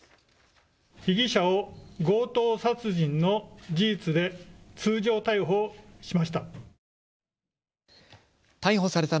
被疑者を強盗殺人の事実で通常逮捕しました。